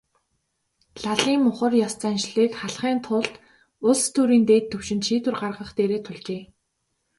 Лалын мухар ес заншлыг халахын тулд улс төрийн дээд түвшинд шийдвэр гаргах дээрээ тулжээ.